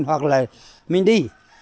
hoặc là mình đi